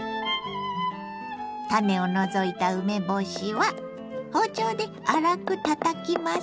種を除いた梅干しは包丁で粗くたたきます。